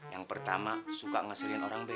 yang pertama suka ngeselin orang b